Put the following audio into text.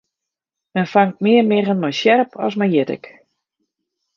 Men fangt mear miggen mei sjerp as mei jittik.